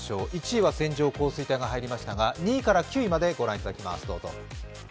１位は線状降水帯が入りましたが２位から９位まで御覧いだだきます。